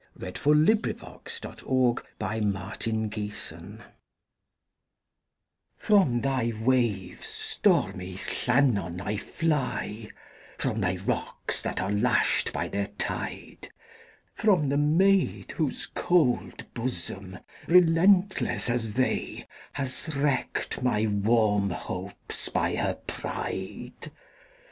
Wales: Llannon Song By Anna Seward (1747–1809) FROM thy waves, stormy Llannon, I fly; From thy rocks, that are lashed by their tide; From the maid whose cold bosom, relentless as they, Has wrecked my warm hopes by her pride!